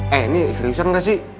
eh ini seriusan gak sih